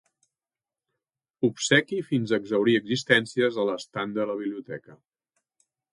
Obsequi fins a exhaurir existències a l'estand de la biblioteca.